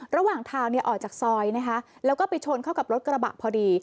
ระหว่างทางเนี่ยออกจากซอยนะคะแล้วก็ไปชนเข้ากับรถกระบะพอดี